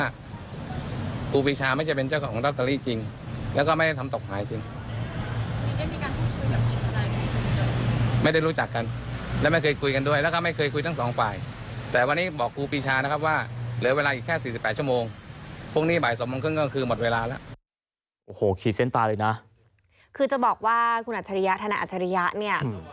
คือจะบอกว่าคุณอาจารยะท่านอาจารยะเนี่ย